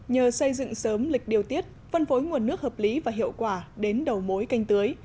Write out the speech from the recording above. nhờ xây dựng sớm lịch điều tiết phân phối nguồn nước hợp lý và hiệu quả đến đầu mối canh tưới